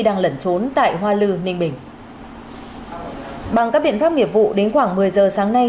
đang lẩn trốn tại hoa lư ninh bình bằng các biện pháp nghiệp vụ đến khoảng một mươi giờ sáng nay